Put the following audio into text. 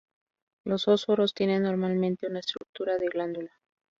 Los fotóforos tienen normalmente una estructura de glándula.